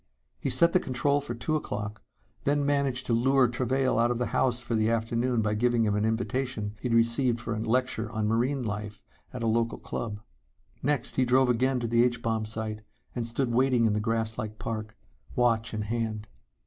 He set the control for two o'clock, then managed to lure Travail out of the house for the afternoon by giving him an invitation he'd received for a lecture on marine life at a local club. Next, he drove again to the H bomb site and stood waiting in the grass like park, watch in hand.